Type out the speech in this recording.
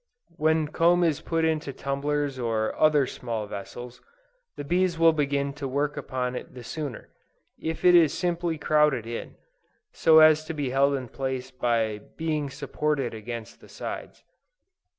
When comb is put into tumblers or other small vessels, the bees will begin to work upon it the sooner, if it is simply crowded in, so as to be held in place by being supported against the sides.